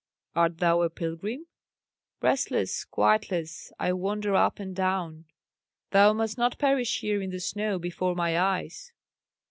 "Art thou a pilgrim?" "Restless, quietless, I wander up and down." "Thou must not perish here in the snow before my eyes."